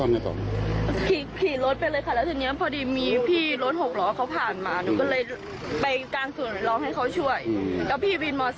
เขาก็เลยโทษจ้างตำรวจให้